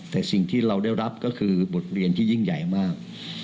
แต่สิ่งที่เราได้รับก็คือบทเรียนที่ยิ่งใหญ่มาก